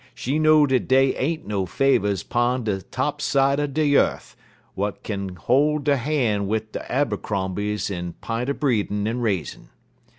She know dat dey ain't no Favers 'pon de top side er de yeth w'at kin hol' der han' wid de Abercrombies in p'int er breedin' en raisin'.